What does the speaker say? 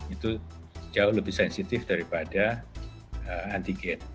itu jauh lebih sensitif daripada antigen